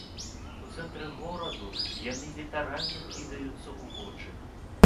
У цэнтры гораду яны літаральна кідаюцца ў вочы.